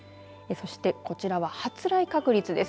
そして、こちらは発雷確率です。